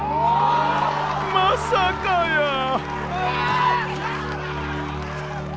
まさかやー。